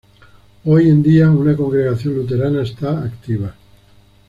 Hoy en día, una congregación luterana esta activa.